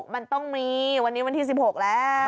มันต้องมีวันนี้วันที่๑๖แล้ว